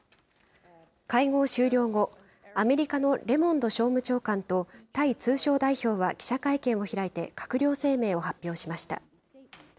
会合終了後、アメリカのレモンド商務長官と、タイ通商代表は記者会見を開いて、閣僚声明を発表しました。